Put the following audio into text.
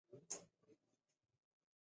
خپلې پیسې په سیند لاهو کړې.